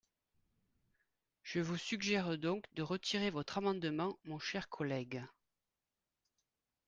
Je vous suggère donc de retirer votre amendement, mon cher collègue.